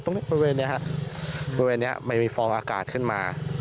ตรงนี้บริเวณเนี่ยครับบริเวณเนี่ยมันมีฟองอากาศขึ้นมา